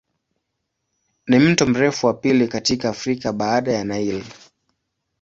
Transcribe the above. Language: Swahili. Ni mto mrefu wa pili katika Afrika baada ya Nile.